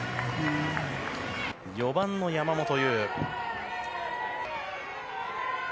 ４番の山本優。